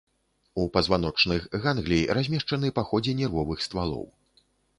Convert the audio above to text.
У пазваночных ганглій размешчаны па ходзе нервовых ствалоў.